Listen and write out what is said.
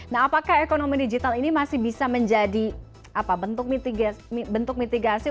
nah apakah ekonomi digital ini masih bisa menjadi bentuk mitigasi